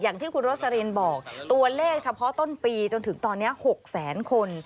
อย่างที่คุณโรสลินบอกตัวเลขเฉพาะต้นปีจนถึงตอนนี้๖แสนคน